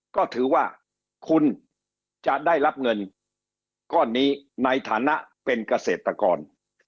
ก็ถือว่าคุณจะได้รับเงินก้อนนี้ในฐานะเป็นเกษตรกร